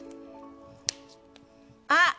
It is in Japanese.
あっ！